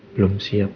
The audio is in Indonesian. belum siap ma